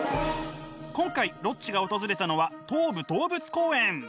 今回ロッチが訪れたのは東武動物公園。